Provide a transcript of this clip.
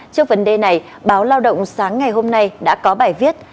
trước vấn đề này báo lao động sáng ngày hôm nay đã có bài viết